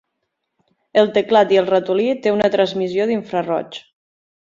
El teclat i el ratolí té una transmissió d'infraroig.